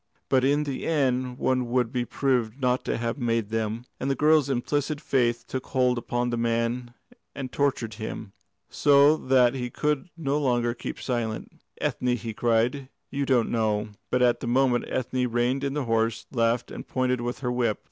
But in the end one would be proved not to have made them." And the girl's implicit faith took hold upon the man and tortured him, so that he could no longer keep silence. "Ethne," he cried, "you don't know " But at that moment Ethne reined in her horse, laughed, and pointed with her whip.